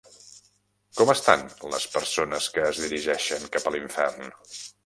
Com estan les persones que es dirigeixen cap a l'infern?